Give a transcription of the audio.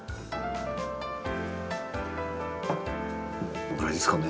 このぐらいですかね？